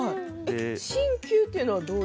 新旧というのは？